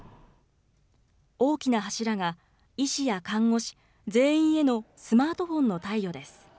大きな柱が医師や看護師、全員へのスマートフォンの貸与です。